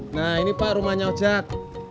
nah ini pak rumahnya ojek